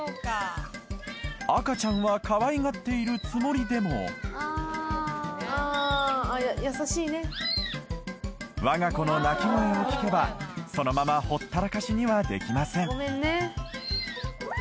赤ちゃんはかわいがっているつもりでも我が子の鳴き声を聞けばそのままほったらかしにはできません